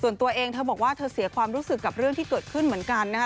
ส่วนตัวเองเธอบอกว่าเธอเสียความรู้สึกกับเรื่องที่เกิดขึ้นเหมือนกันนะคะ